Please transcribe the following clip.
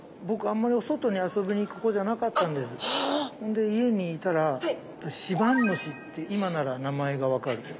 で家にいたらシバンムシって今なら名前が分かるけど。